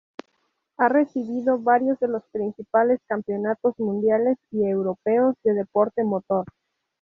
Ha recibido varios de los principales campeonatos mundiales y europeos de deporte motor.